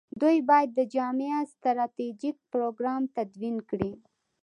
دوی باید جامع ستراتیژیک پروګرام تدوین کړي.